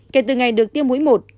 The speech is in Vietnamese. kể từ ngày được tiêm mũi một